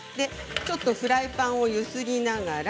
ちょっとフライパンを揺すりながら